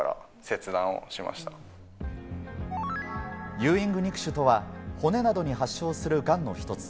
ユーイング肉腫とは骨などに発症するがんの一つ。